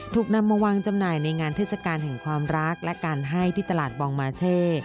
ถูกนำมาวางจำหน่ายในงานเทศกาลแห่งความรักและการให้ที่ตลาดบองมาเช่